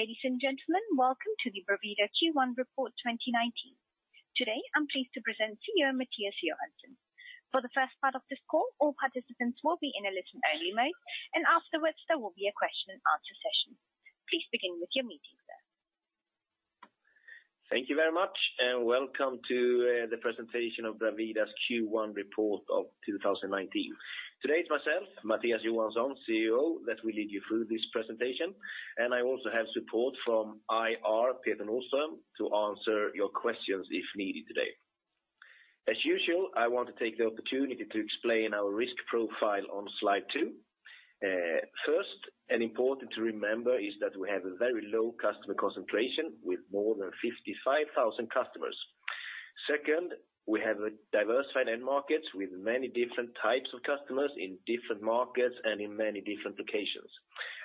Ladies and gentlemen, welcome to the Bravida Q1 report 2019. Today, I'm pleased to present CEO, Mattias Johansson. For the first part of this call, all participants will be in a listen only mode. Afterwards, there will be a question and answer session. Please begin with your meeting, sir. Thank you very much, and welcome to the presentation of Bravida's Q1 report of 2019. Today, it's myself, Mattias Johansson, CEO, that will lead you through this presentation, and I also have support from IR, Peter Norström, to answer your questions, if needed today. As usual, I want to take the opportunity to explain our risk profile on slide two. First, and important to remember, is that we have a very low customer concentration with more than 55,000 customers. Second, we have a diversified end markets with many different types of customers in different markets and in many different locations.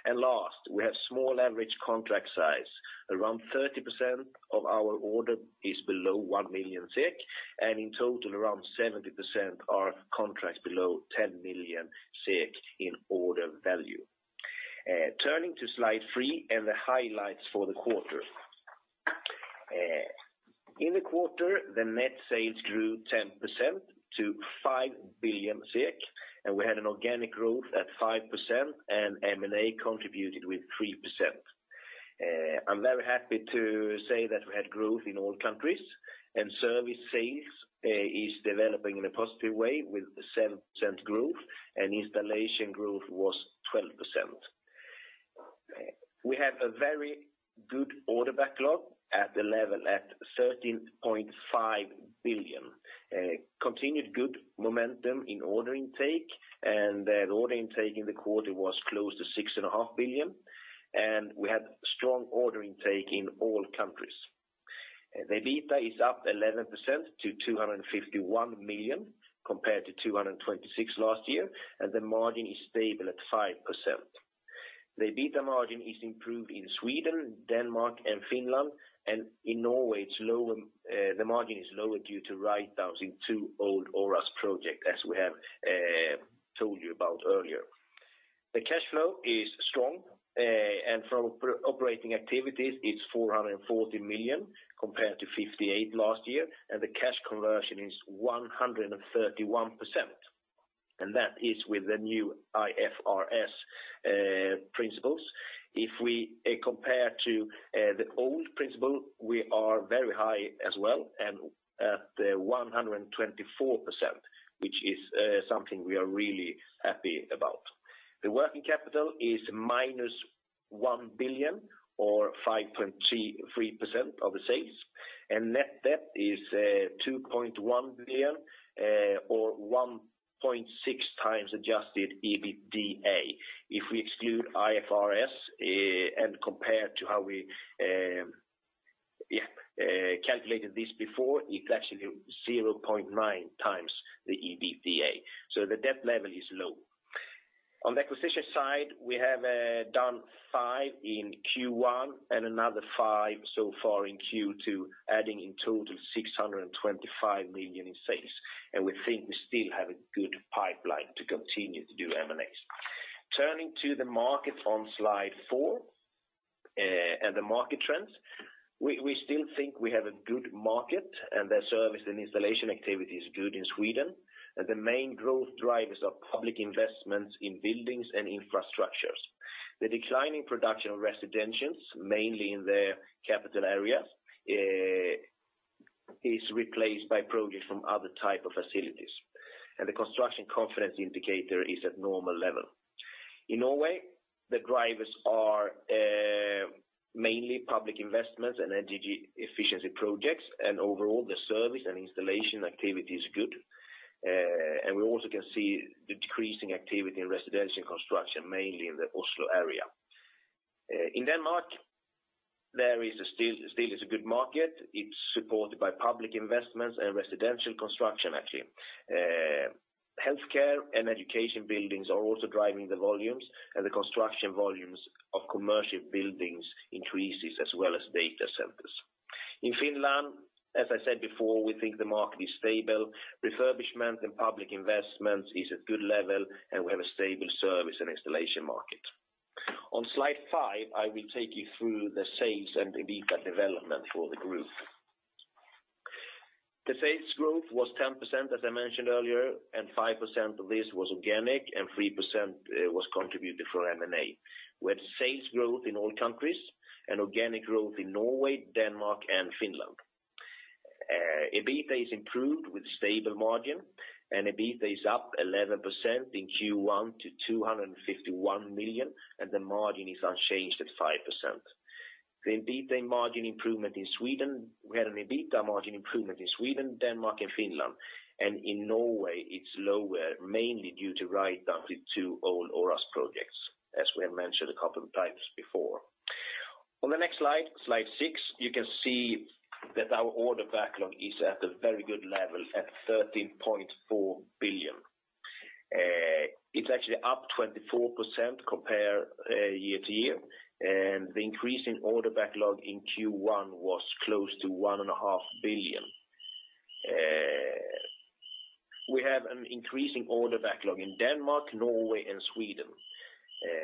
Last, we have small average contract size. Around 30% of our order is below 1 million SEK, and in total, around 70% are contracts below 10 million SEK in order value. Turning to slide 3 and the highlights for the quarter. In the quarter, the net sales grew 10% to 5 billion, and we had an organic growth at 5%, and M&A contributed with 3%. I'm very happy to say that we had growth in all countries, and service sales is developing in a positive way with 7% growth, and installation growth was 12%. We have a very good order backlog at the level at 13.5 billion. Continued good momentum in order intake, and the order intake in the quarter was close to 6.5 billion, and we had strong order intake in all countries. The EBITDA is up 11% to 251 million, compared to 226 last year, and the margin is stable at 5%. The EBITDA margin is improved in Sweden, Denmark, and Finland, and in Norway, it's lower, the margin is lower due to write-downs in two old Oras project, as we have told you about earlier. The cash flow is strong, and from operating activities, it's 440 million, compared to 58 last year, and the cash conversion is 131%, and that is with the new IFRS principles. If we compare to the old principle, we are very high as well, and at 124%, which is something we are really happy about. The working capital is minus 1 billion or 5.33% of the sales, and net debt is 2.1 billion or 1.6x adjusted EBITDA. If we exclude IFRS and compare to how we calculated this before, it's actually 0.9x the EBITDA, so the debt level is low. On the acquisition side, we have done five in Q1 and another five so far in Q2, adding in total 625 million in sales, and we think we still have a good pipeline to continue to do M&As. Turning to the market on slide 4 and the market trends, we still think we have a good market, and the service and installation activity is good in Sweden, and the main growth drivers are public investments in buildings and infrastructures. The declining production of residentials, mainly in the capital areas, is replaced by projects from other type of facilities, and the construction confidence indicator is at normal level. In Norway, the drivers are mainly public investments and energy efficiency projects. Overall, the service and installation activity is good. We also can see the decreasing activity in residential construction, mainly in the Oslo area. In Denmark, there is a still is a good market. It's supported by public investments and residential construction, actually. Healthcare and education buildings are also driving the volumes. The construction volumes of commercial buildings increases as well as data centers. In Finland, as I said before, we think the market is stable. Refurbishment and public investment is at good level. We have a stable service and installation market. On slide 5, I will take you through the sales and EBITDA development for the group. The sales growth was 10%, as I mentioned earlier, and 5% of this was organic, and 3% was contributed for M&A. We had sales growth in all countries and organic growth in Norway, Denmark, and Finland. EBITDA is improved with stable margin, and EBITDA is up 11% in Q1 to 251 million, and the margin is unchanged at 5%. We had an EBITDA margin improvement in Sweden, Denmark, and Finland, and in Norway, it's lower, mainly due to write-down to two old Oras projects, as we have mentioned a couple of times before. On the next slide 6, you can see that our order backlog is at a very good level at 13.4 billion. It's actually up 24% compare year-to-year. The increase in order backlog in Q1 was close to 1.5 billion. We have an increasing order backlog in Denmark, Norway, and Sweden.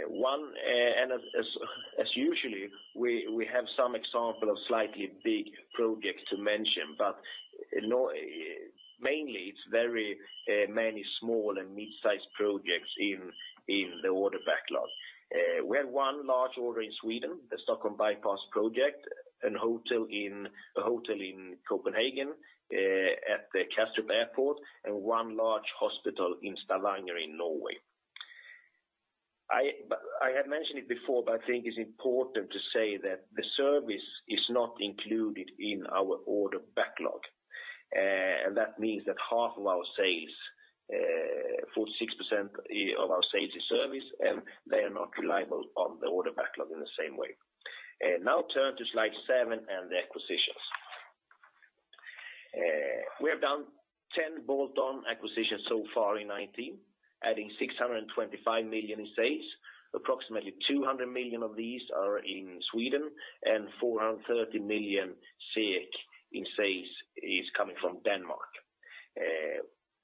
One, and as usually, we have some example of slightly big projects to mention, but mainly, it's very many small and mid-sized projects in the order backlog. We have one large order in Sweden, the Stockholm Bypass Project, a hotel in Copenhagen, at the Kastrup Airport, and one large hospital in Stavanger in Norway. I had mentioned it before, but I think it's important to say that the service is not included in our order backlog. That means that half of our sales, 46% of our sales is service, and they are not reliable on the order backlog in the same way. Now turn to slide 7 and the acquisitions. We have done 10 bolt-on acquisitions so far in 2019, adding 625 million in sales. Approximately 200 million of these are in Sweden, and 430 million SEK in sales is coming from Denmark.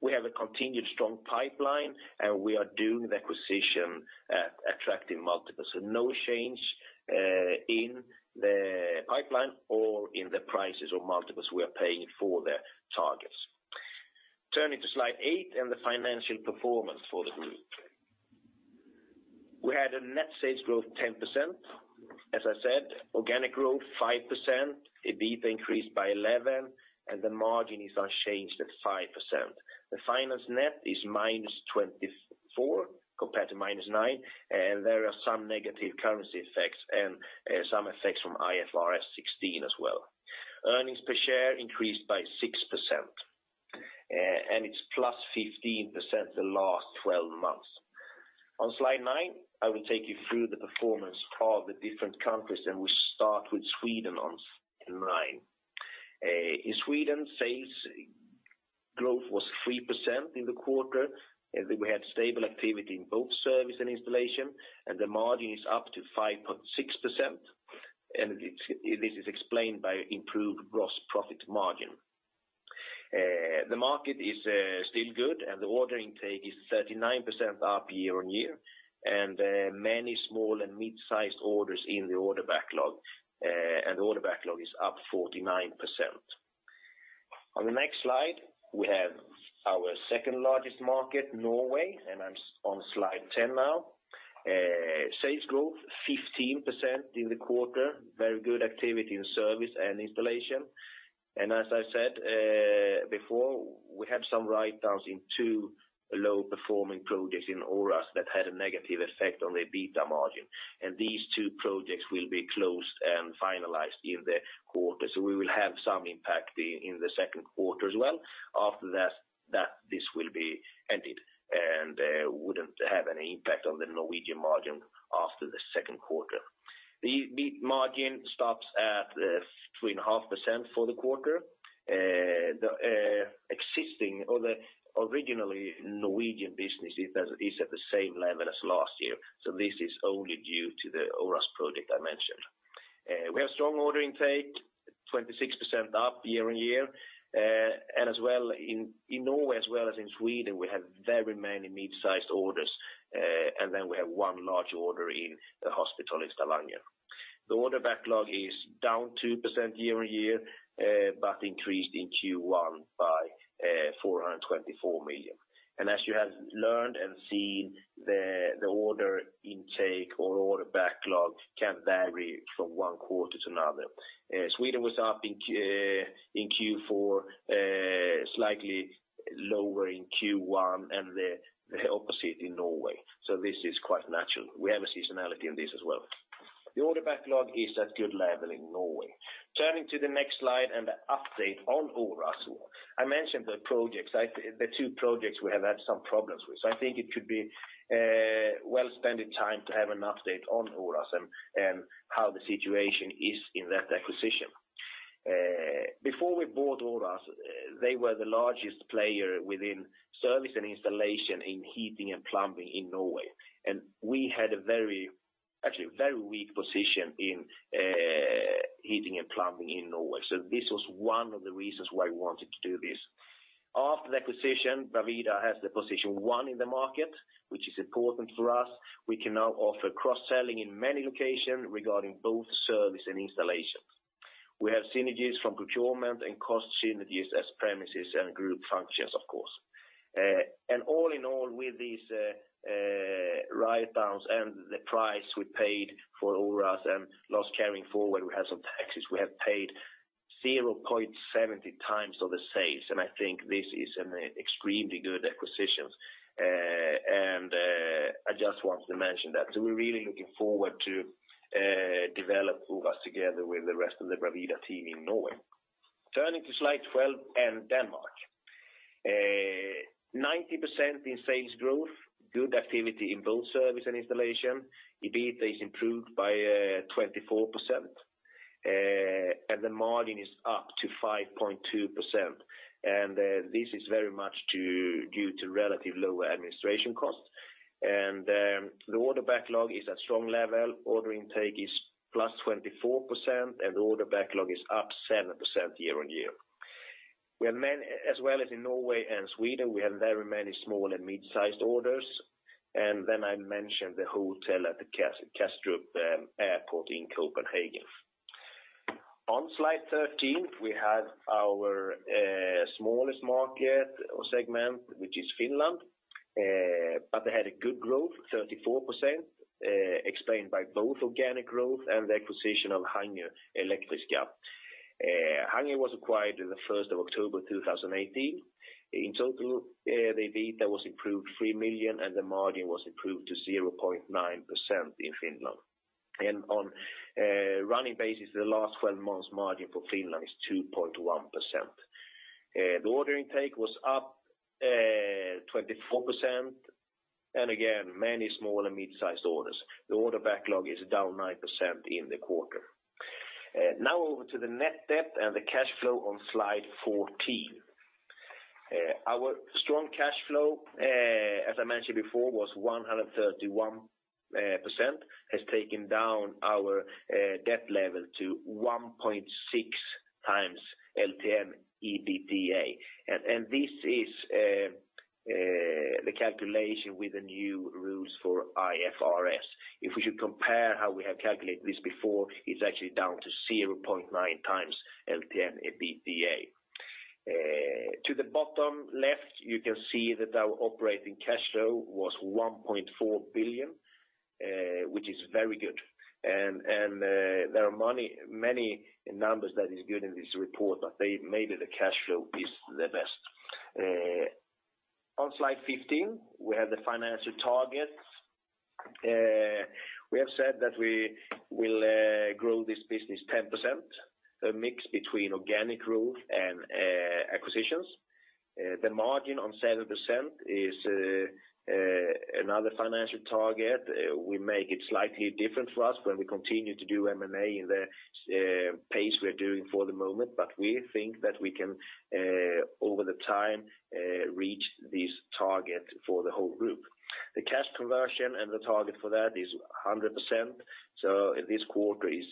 We have a continued strong pipeline, and we are doing the acquisition, attracting multiples. No change in the pipeline or in the prices or multiples we are paying for the targets. Turning to slide 8 and the financial performance for the group. We had a net sales growth 10%, as I said, organic growth 5%, EBITDA increased by 11%, and the margin is unchanged at 5%. The finance net is -24, compared to -9, and there are some negative currency effects and some effects from IFRS 16 as well. Earnings per share increased by 6%, and it's +15% the last twelve months. On slide 9, I will take you through the performance of the different countries, and we start with Sweden in nine. In Sweden, sales growth was 3% in the quarter, and we had stable activity in both service and installation, and the margin is up to 5.6%, and this is explained by improved gross profit margin. The market is still good, and the order intake is 39% up year-on-year, and many small and mid-sized orders in the order backlog, and the order backlog is up 49%. On the next slide, we have our second largest market, Norway, and I'm on slide 10 now. Sales growth 15% in the quarter, very good activity in service and installation, and as I said before, we have some write-downs in two low-performing projects in Oras that had a negative effect on the EBITDA margin. These two projects will be closed and finalized in the quarter. We will have some impact in the second quarter as well. After that, this will be ended, and wouldn't have any impact on the Norwegian margin after the second quarter. The EBITDA margin stops at 3.5% for the quarter. The existing or the originally Norwegian business is at the same level as last year. This is only due to the Oras project I mentioned. We have strong order intake, 26% up year-on-year, as well in Norway as well as in Sweden, we have very many mid-sized orders, we have one large order in the hospital in Stavanger. The order backlog is down 2% year-on-year, increased in Q1 by 424 million. As you have learned and seen, the order intake or order backlog can vary from one quarter to another. Sweden was up in Q4, slightly lower in Q1, the opposite in Norway. This is quite natural. We have a seasonality in this as well. The order backlog is at good level in Norway. Turning to the next slide and the update on Oras. I mentioned the projects, the two projects we have had some problems with. I think it could be well-spending time to have an update on Oras and how the situation is in that acquisition. Before we bought Oras, they were the largest player within service and installation in heating and plumbing in Norway. We had a very, actually, very weak position in heating and plumbing in Norway. This was one of the reasons why we wanted to do this. After the acquisition, Bravida has the position one in the market, which is important for us. We can now offer cross-selling in many locations regarding both service and installation. We have synergies from procurement and cost synergies as premises and group functions, of course. All in all, with these write-downs and the price we paid for Oras and loss carrying forward, we have some taxes, we have paid 0.70x of the sales, and I think this is an extremely good acquisition. I just wanted to mention that. We're really looking forward to develop Oras together with the rest of the Bravida team in Norway. Turning to slide 12 and Denmark. 90% in sales growth, good activity in both service and installation. EBITDA is improved by 24%, and the margin is up to 5.2%. This is very much due to relative lower administration costs. The order backlog is at strong level. Order intake is +24%, and the order backlog is up 7% year-on-year. We have as well as in Norway and Sweden, we have very many small and mid-sized orders, and then I mentioned the hotel at the Kastrup Airport in Copenhagen. On slide 13, we have our smallest market or segment, which is Finland, but they had a good growth, 34%, explained by both organic growth and the acquisition of Hangö Elektriska. Hangö was acquired on the 1st of October, 2018. In total, the EBITDA was improved 3 million, and the margin was improved to 0.9% in Finland. On a running basis, the last 12 months margin for Finland is 2.1%. The order intake was up 24%, and again, many small and mid-sized orders. The order backlog is down 9% in the quarter. Now over to the net debt and the cash flow on slide 14. Our strong cash flow, as I mentioned before, was 131%, has taken down our debt level to 1.6x LTM EBITDA. This is the calculation with the new rules for IFRS. If we should compare how we have calculated this before, it's actually down to 0.9x LTM EBITDA. To the bottom left, you can see that our operating cash flow was 1.4 billion, which is very good. There are many numbers that is good in this report, but maybe the cash flow is the best. On slide 15, we have the financial targets. We have said that we will grow this business 10%, a mix between organic growth and acquisitions. The margin on 7% is another financial target. We make it slightly different for us when we continue to do M&A in the pace we're doing for the moment, but we think that we can over the time reach this target for the whole group. The cash conversion and the target for that is 100%. This quarter is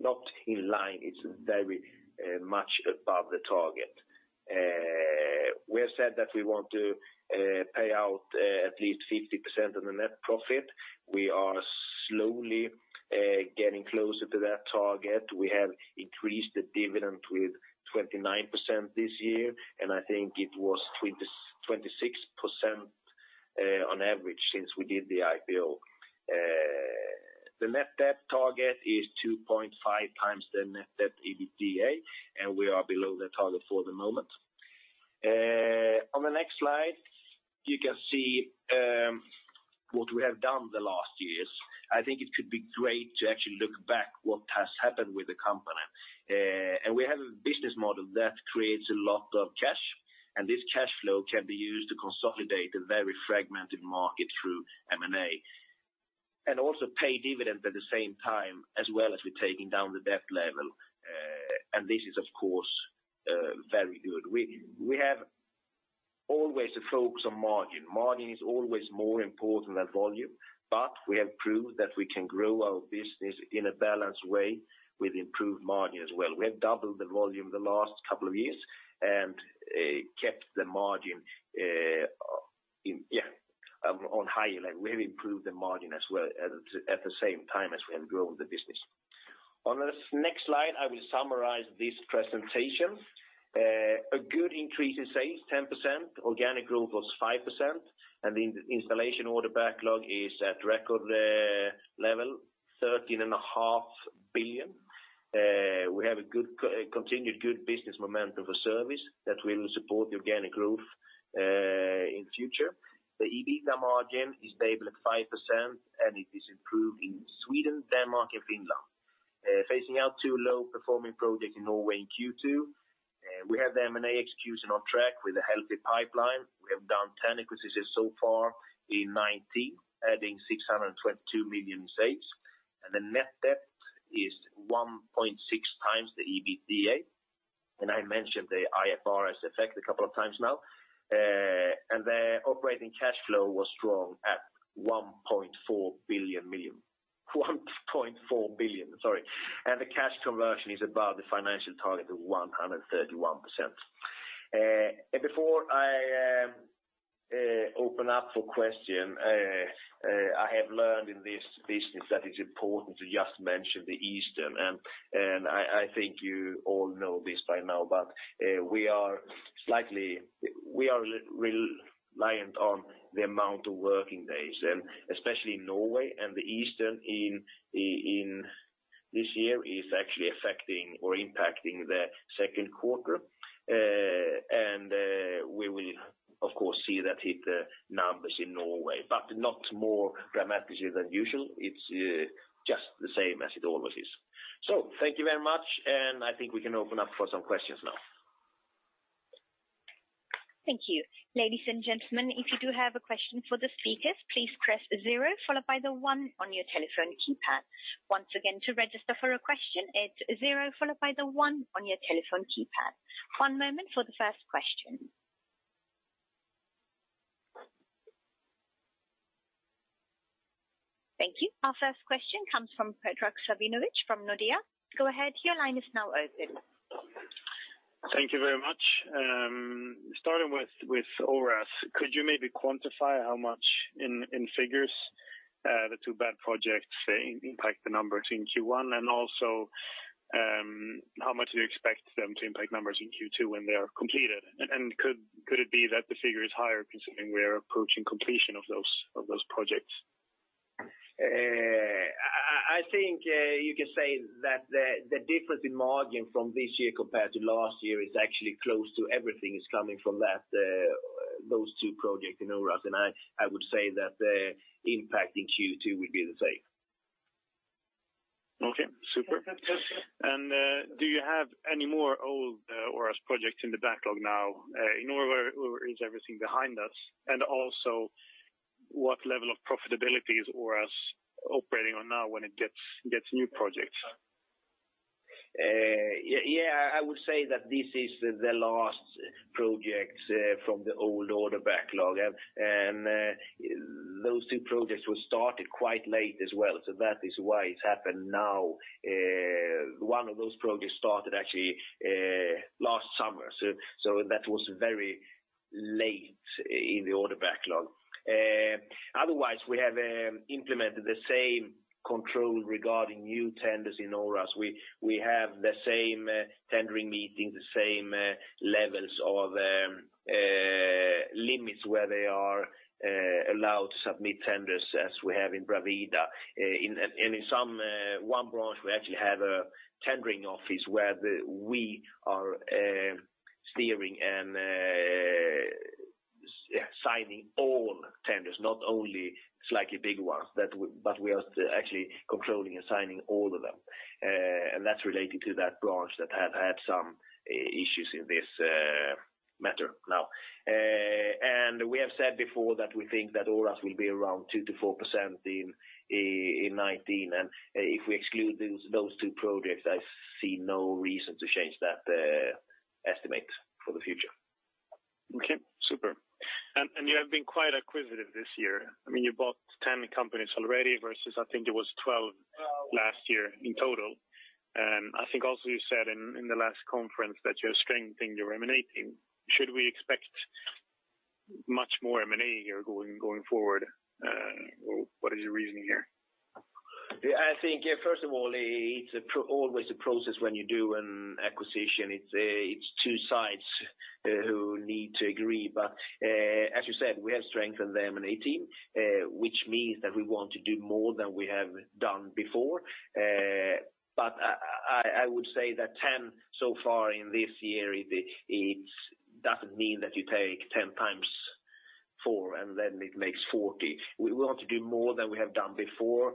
not in line, it's very much above the target. We have said that we want to pay out at least 50% on the net profit. We are slowly getting closer to that target. We have increased the dividend with 29% this year, and I think it was 26% on average, since we did the IPO. The net debt target is 2.5x the net debt EBITDA, and we are below the target for the moment. On the next slide, you can see what we have done the last years. I think it could be great to actually look back what has happened with the company. We have a business model that creates a lot of cash, and this cash flow can be used to consolidate a very fragmented market through M&A, and also pay dividends at the same time, as well as we're taking down the debt level. This is, of course, very good. We have always a focus on margin. Margin is always more important than volume, but we have proved that we can grow our business in a balanced way with improved margin as well. We have doubled the volume the last couple of years and kept the margin on high level. We have improved the margin as well, at the same time as we have grown the business. On this next slide, I will summarize this presentation. A good increase in sales, 10%, organic growth was 5%, and the installation order backlog is at record level, thirteen and a half billion. We have a continued good business momentum for service that will support the organic growth in future. The EBITDA margin is stable at 5%, and it is improved in Sweden, Denmark, and Finland. Phasing out two low-performing projects in Norway in Q2. We have the M&A execution on track with a healthy pipeline. We have done 10 acquisitions so far in 2019, adding 622 million in sales. The net debt is 1.6x the EBITDA, and I mentioned the IFRS effect a couple of times now. The operating cash flow was strong at 1.4 billion, sorry. The cash conversion is above the financial target of 131%. Uh, and before I, um, uh, open up for question, uh, uh, I have learned in this business that it's important to just mention the Eastern, and, and I, I think you all know this by now, but, uh, we are slightly- we are reliant on the amount of working days, and especially in Norway, and the Eastern in, in this year is actually affecting or impacting the second quarter. Uh, and, uh, we will, of course, see that hit the numbers in Norway, but not more dramatically than usual. It's, uh, just the same as it always is. So thank you very much, and I think we can open up for some questions now. Thank you. Ladies and gentlemen, if you do have a question for the speakers, please press zero, followed by the one on your telephone keypad. Once again, to register for a question, it's zero, followed by the one on your telephone keypad. One moment for the first question... Thank you. Our first question comes from Henrik Mawby from Nordea. Go ahead, your line is now open. Thank you very much. Starting with Oras, could you maybe quantify how much in figures the two bad projects, say, impact the numbers in Q1? How much do you expect them to impact numbers in Q2 when they are completed? Could it be that the figure is higher, considering we are approaching completion of those projects? I think, you can say that the difference in margin from this year compared to last year is actually close to everything is coming from that, those two projects in Oras. I would say that the impact in Q2 would be the same. Okay, super. Do you have any more old Oras projects in the backlog now, in order or is everything behind us? Also, what level of profitability is Oras operating on now when it gets new projects? Yeah, I would say that this is the last projects from the old order backlog. Those two projects were started quite late as well, so that is why it's happened now. One of those projects started actually last summer, so that was very late in the order backlog. Otherwise, we have implemented the same control regarding new tenders in Oras. We have the same tendering meetings, the same levels of limits where they are allowed to submit tenders as we have in Bravida. In and in some one branch, we actually have a tendering office, where we are steering and signing all tenders, not only slightly big ones, but we are actually controlling and signing all of them. That's related to that branch that have had some issues in this matter now. We have said before that we think that Oras will be around 2%-4% in 2019. If we exclude those two projects, I see no reason to change that estimate for the future. Okay, super. You have been quite acquisitive this year. I mean, you bought 10 companies already, versus I think it was 12 last year in total. I think also you said in the last conference that you're strengthening your M&A team. Should we expect much more M&A here going forward? Or what is your reasoning here? I think, first of all, it's always a process when you do an acquisition. It's two sides who need to agree. As you said, we have strengthened the M&A team, which means that we want to do more than we have done before. I would say that 10 so far in this year, it doesn't mean that you take 10 times 4, it makes 40. We want to do more than we have done before,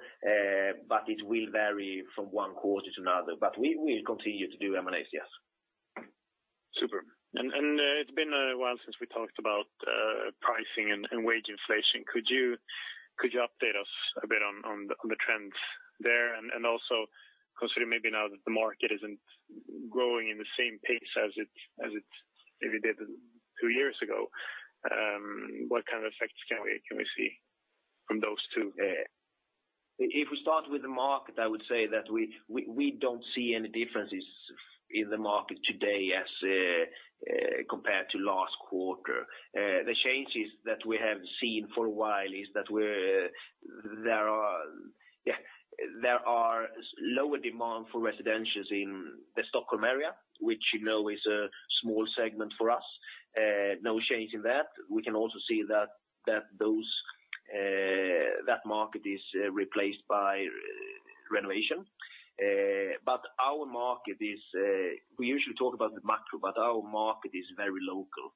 but it will vary from one quarter to another. We'll continue to do M&As, yes. Super. It's been a while since we talked about pricing and wage inflation. Could you update us a bit on the trends there? Also considering maybe now that the market isn't growing in the same pace as it maybe did two years ago, what kind of effects can we, can we see from those two? If we start with the market, I would say that we don't see any differences in the market today as compared to last quarter. The changes that we have seen for a while is that there are lower demand for residentials in the Stockholm area, which you know is a small segment for us. No change in that. We can also see that those that market is replaced by renovation. Our market is. We usually talk about the macro, but our market is very local.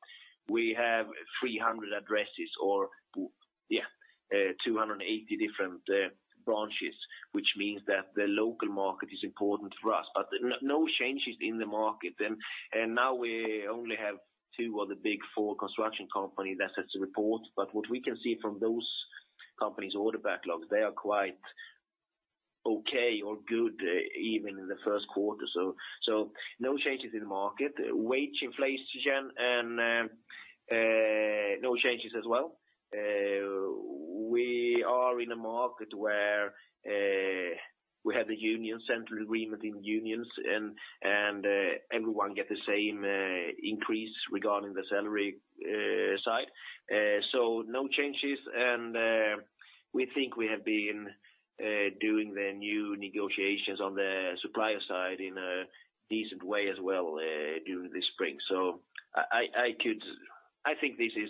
We have 300 addresses or 280 different branches, which means that the local market is important for us, but no changes in the market. Now we only have two of the big four construction companies that has to report, but what we can see from those companies' order backlogs, they are quite okay or good, even in the first quarter. No changes in the market. Wage inflation and no changes as well. We are in a market where we have a union, central agreement in unions, and everyone get the same increase regarding the salary side. No changes, and we think we have been doing the new negotiations on the supplier side in a decent way as well, during this spring. I think this is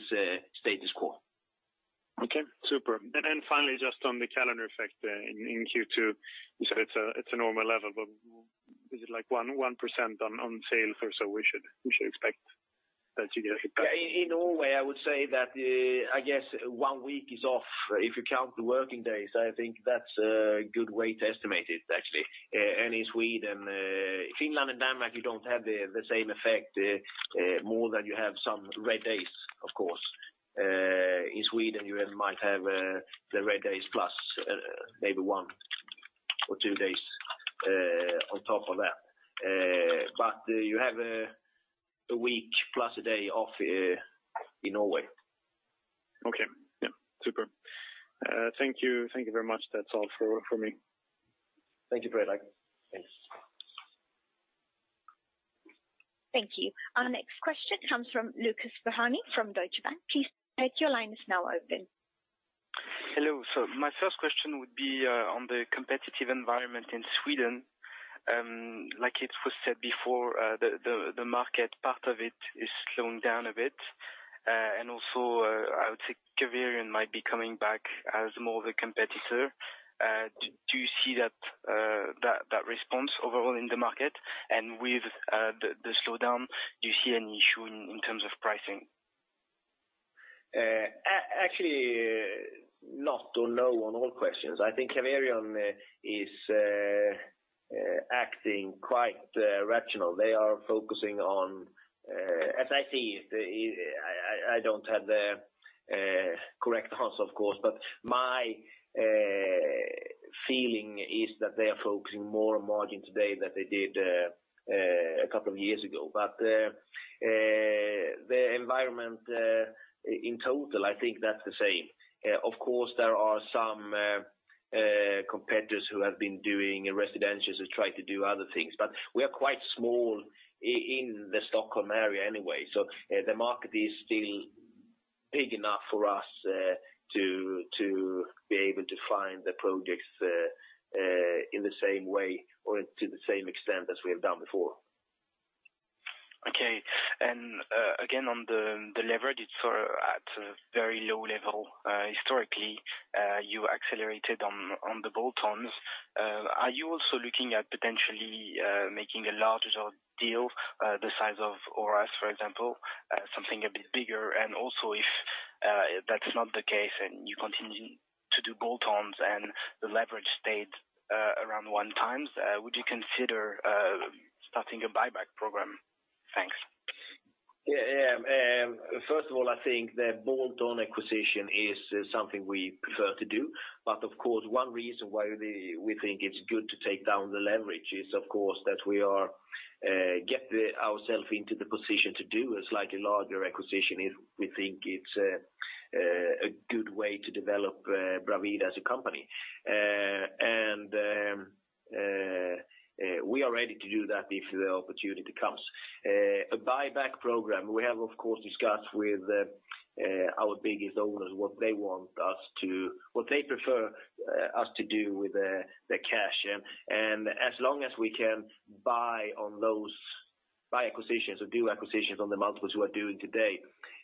status quo. Okay, super. Finally, just on the calendar effect, in Q2, you said it's a normal level. Is it like 1% on sales or so we should expect that you get hit? In Norway, I would say that, I guess one week is off. If you count the working days, I think that's a good way to estimate it, actually, and in Sweden. Finland and Denmark, you don't have the same effect, more than you have some red days, of course. In Sweden, you might have, the red days plus, maybe one or two days, on top of that. You have a week plus a day off, in Norway. Okay. Yeah, super. Thank you. Thank you very much. That's all for me. Thank you very much. Thanks. Thank you. Our next question comes from Lucas Ferhani from Deutsche Bank. Please, your line is now open. Hello. My first question would be on the competitive environment in Sweden. Like it was said before, the market, part of it is slowing down a bit. Also, I would say Caverion might be coming back as more of a competitor. Do you see that response overall in the market? With the slowdown, do you see any issue in terms of pricing? Actually, not or no on all questions. I think Caverion is acting quite rational. They are focusing on, as I see it, I don't have the correct answer, of course, but my feeling is that they are focusing more on margin today than they did a couple of years ago. The environment in total, I think that's the same. Of course, there are some competitors who have been doing residentials and trying to do other things. We are quite small in the Stockholm area anyway. The market is still big enough for us to be able to find the projects in the same way or to the same extent as we have done before. Okay. Again, on the leverage, it's at a very low level. Historically, you accelerated on the bolt-ons. Are you also looking at potentially making a larger deal, the size of Oras, for example, something a bit bigger? Also, if that's not the case and you continue to do bolt-ons and the leverage stayed around 1x, would you consider starting a buyback program? Thanks. First of all, I think the bolt-on acquisition is something we prefer to do. Of course, one reason why we think it's good to take down the leverage is, of course, that we are get ourself into the position to do a slightly larger acquisition, if we think it's a good way to develop Bravida as a company. We are ready to do that if the opportunity comes. A buyback program, we have, of course, discussed with our biggest owners, what they want us to. What they prefer us to do with the cash. As long as we can buy on those, buy acquisitions or do acquisitions on the multiples we are doing today,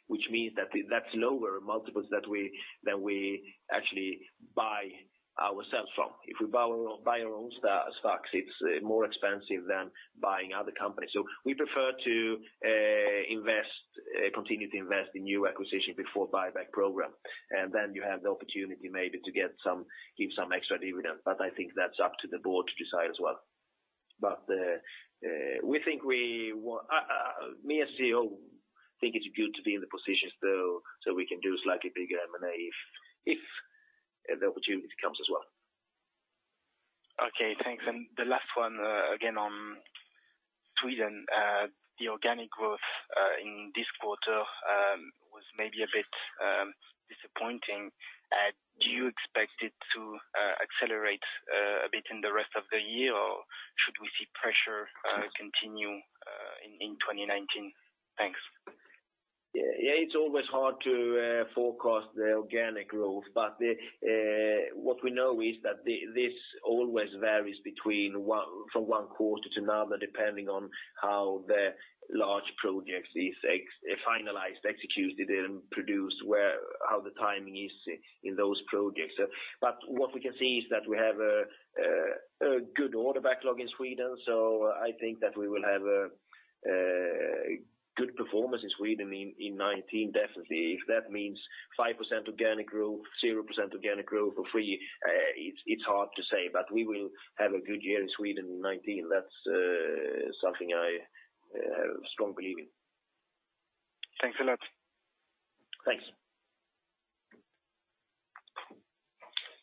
which means that that's lower multiples that we, than we actually buy ourselves from. If we buy our own stocks, it's more expensive than buying other companies. We prefer to invest, continue to invest in new acquisition before buyback program. You have the opportunity maybe to give some extra dividend, but I think that's up to the board to decide as well. We think, me as CEO, think it's good to be in the position so we can do slightly bigger M&A if the opportunity comes as well. Okay, thanks. The last one, again, on Sweden. The organic growth, in this quarter, was maybe a bit disappointing. Do you expect it to accelerate a bit in the rest of the year, or should we see pressure continue in 2019? Thanks. It's always hard to forecast the organic growth, but what we know is that this always varies from one quarter to another, depending on how the large projects is finalized, executed, and produced, where, how the timing is in those projects. What we can see is that we have a good order backlog in Sweden, so I think that we will have a good performance in Sweden in 2019, definitely. If that means 5% organic growth, 0% organic growth or 3%, it's hard to say, but we will have a good year in Sweden in 2019. That's something I strongly believe in. Thanks a lot. Thanks.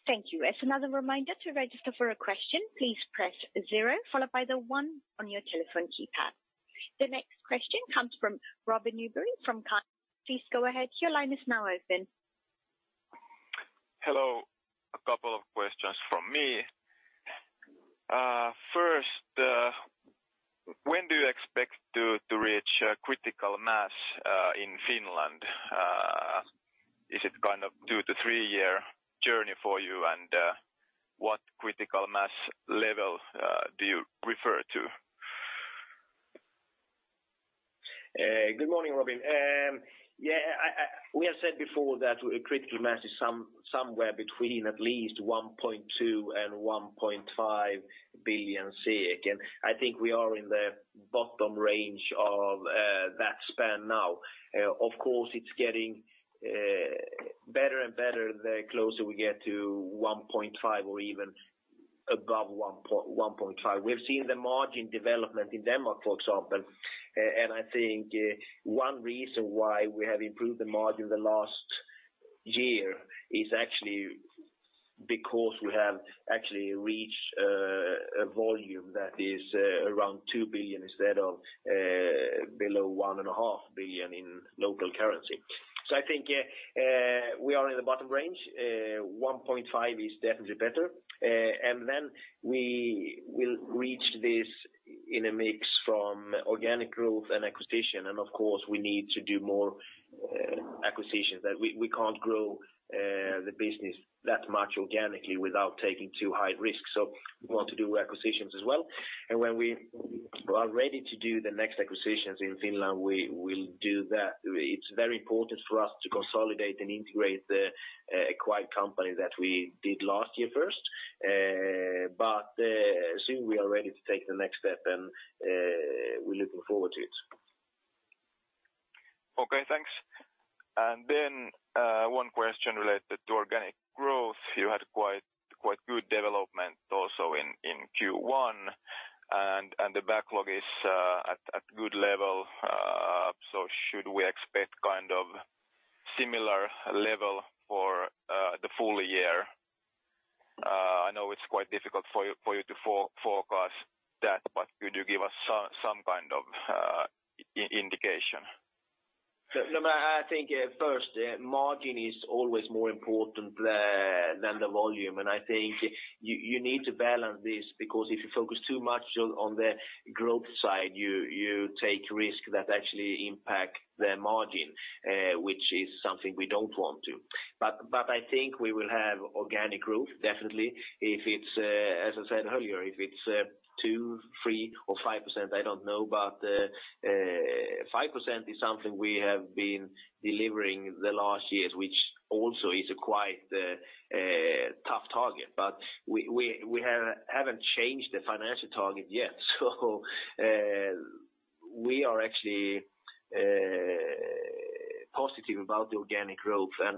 Thank you. As another reminder, to register for a question, please press zero, followed by the one on your telephone keypad. The next question comes from Robin Nyberg from Carnegie. Please go ahead. Your line is now open. Hello. A couple of questions from me. First, when do you expect to reach critical mass in Finland? Is it kind of two- to three-year journey for you? What critical mass level do you refer to? Good morning, Robin. Yeah, I, we have said before that critical mass is somewhere between at least 1.2 billion and 1.5 billion, and I think we are in the bottom range of that span now. Of course, it's getting better and better the closer we get to 1.5 billion or even above 1.5 billion. We've seen the margin development in Denmark, for example, and I think one reason why we have improved the margin the last year is actually because we have actually reached a volume that is around 2 billion instead of below one and a half billion in local currency. I think we are in the bottom range. 1.5 billion is definitely better. Then we will reach this in a mix from organic growth and acquisition, and of course, we need to do more acquisitions. That we can't grow the business that much organically without taking too high risk. We want to do acquisitions as well. When we are ready to do the next acquisitions in Finland, we will do that. It's very important for us to consolidate and integrate the acquired company that we did last year first. Soon we are ready to take the next step, and we're looking forward to it. Okay, thanks. One question related to organic growth. You had quite good development also in Q1, and the backlog is at good level. Should we expect kind of similar level for the full year? I know it's quite difficult for you to forecast that, but could you give us some kind of indication? No, but I think first, margin is always more important than the volume. I think you need to balance this because if you focus too much on the growth side, you take risk that actually impact the margin, which is something we don't want to. I think we will have organic growth, definitely. If it's, as I said earlier, if it's 2%, 3%, or 5%, I don't know, but 5% is something we have been delivering the last years, which also is a quite tough target. We haven't changed the financial target yet, so we are actually positive about the organic growth. As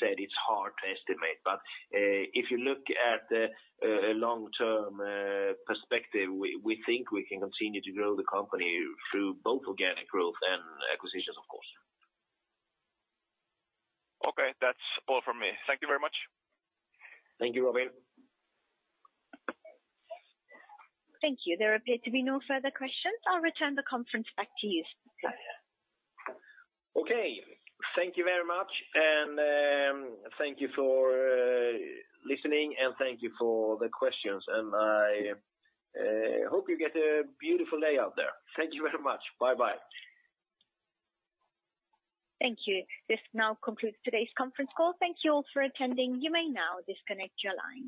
said, it's hard to estimate, but if you look at the long-term perspective, we think we can continue to grow the company through both organic growth and acquisitions, of course. Okay. That's all from me. Thank you very much. Thank you, Robin. Thank you. There appear to be no further questions. I'll return the conference back to you. Okay. Thank you very much, and thank you for listening, and thank you for the questions. I hope you get a beautiful day out there. Thank you very much. Bye-bye. Thank you. This now concludes today's conference call. Thank you all for attending. You may now disconnect your line.